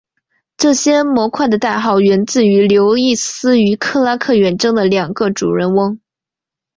这些模块的代号源自于刘易斯与克拉克远征的两个主人翁。